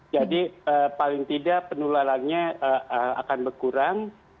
jadi paling tidak penularannya akan berkurang